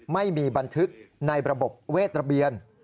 ไม่มีบันทึกในระบบเวทระเบียน